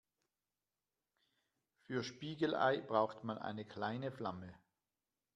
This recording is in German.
Für Spiegelei braucht man eine kleine Flamme.